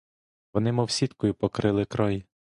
Вони мов сіткою покрили край.